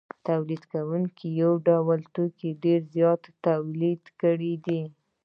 تولیدونکو یو ډول توکي ډېر زیات تولید کړي دي